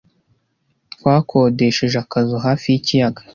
Twakodesheje akazu hafi yikiyaga.